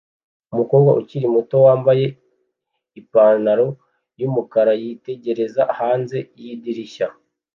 Umukobwa ukiri muto wambaye ipantaro yumukara yitegereza hanze yidirishya